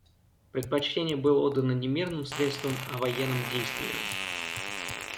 Предпочтение было отдано не мирным средствам, а военным действиям.